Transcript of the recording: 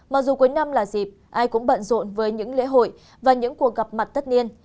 mặc dù cuối năm là dịp ai cũng bận rộn với những lễ hội và những cuộc gặp mặt tất niên